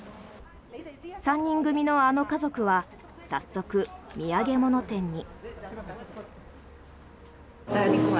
３人組のあの家族は早速、土産物店に。